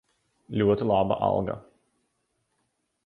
Ļoti laba alga.